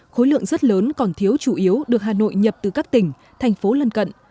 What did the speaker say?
cơ chế chính sách rất lớn còn thiếu chủ yếu được hà nội nhập từ các tỉnh thành phố lân cận